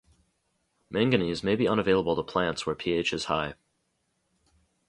Manganese may be unavailable to plants where pH is high.